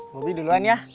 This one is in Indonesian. mobi duluan ya